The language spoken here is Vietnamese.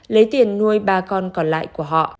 lấy tiền nuôi ba con còn lại của họ